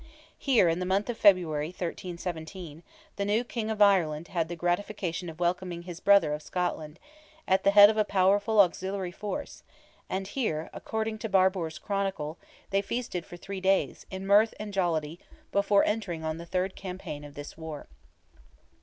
Here, in the month of February, 1317, the new King of Ireland had the gratification of welcoming his brother of Scotland, at the head of a powerful auxiliary force, and here, according to Barbour's Chronicle, they feasted for three days, in mirth and jollity, before entering on the third campaign of this war.